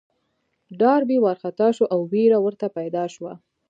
ډاربي وارخطا شو او وېره ورته پيدا شوه.